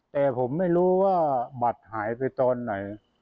แต่ผมไม่รู้ว่าบัตรหายไปตอนไหน